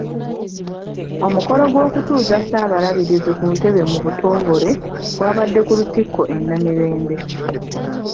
Omukolo gw'okutuuza Ssaabalabirizi ku ntebe mu butongole gwabadde ku Lutikko e Namirembe.